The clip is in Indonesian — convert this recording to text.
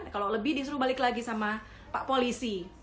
kalau lebih disuruh balik lagi sama pak polisi